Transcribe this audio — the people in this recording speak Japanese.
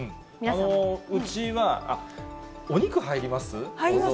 うちは、あっ、お肉入ります？